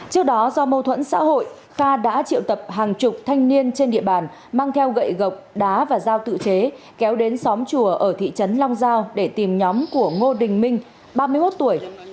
trước đó do mâu thuẫn xã hội ca đã triệu tập hàng chục thanh niên trên địa bàn mang theo gậy gộc đá và dao tự chế kéo đến xóm chùa ở thị trấn long giao để tìm nhóm của ngô đình minh ba mươi một tuổi